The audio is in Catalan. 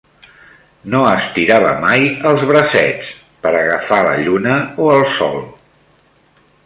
No estirava mai els bracets per agafar la lluna o el sol.